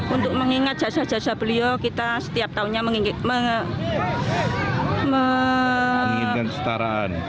untuk mengingat jasa jasa beliau kita setiap tahunnya